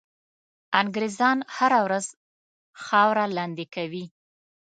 انګرېزان هره ورځ خاوره لاندي کوي.